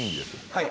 はい。